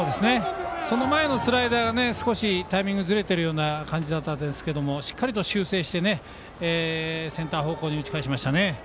その前のスライダーは少しタイミングがずれているような感じでしたがしっかり修正してセンターに打ち返しましたね。